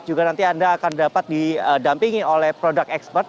juga nanti anda akan dapat didampingi oleh produk expert